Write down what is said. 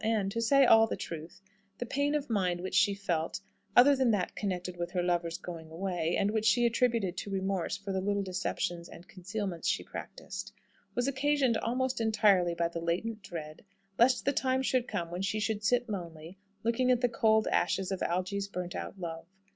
And to say all the truth the pain of mind which she felt, other than that connected with her lover's going away, and which she attributed to remorse for the little deceptions and concealments she practised, was occasioned almost entirely by the latent dread, lest the time should come when she should sit lonely, looking at the cold ashes of Algy's burnt out love.